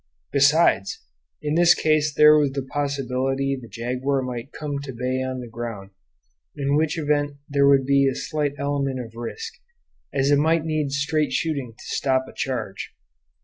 Besides, in this case there was the possibility the jaguar might come to bay on the ground, in which event there would be a slight element of risk, as it might need straight shooting to stop a charge.